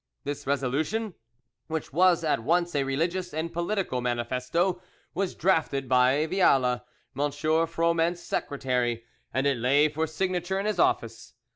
This resolution, which was at once a religious and political manifesto, was drafted by Viala, M. Froment's secretary, and it lay for signature in his office.